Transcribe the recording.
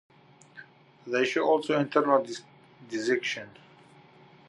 They show also internal dissections.